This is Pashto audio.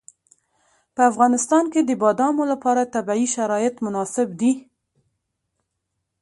په افغانستان کې د بادامو لپاره طبیعي شرایط مناسب دي.